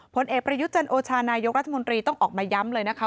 ผลเอกประยุทธ์จันโอชานายกรัฐมนตรีต้องออกมาย้ำเลยนะคะ